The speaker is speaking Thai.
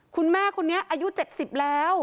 คุณแม่คนนี้อายุ๗๐แล้ว